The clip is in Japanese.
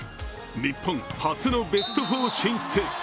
日本、初のベスト４進出。